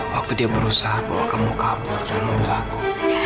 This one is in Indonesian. waktu dia berusaha bawa kamu kabur cuma mobil aku